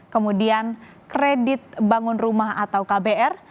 kemudian kredit bangun rumah atau kbr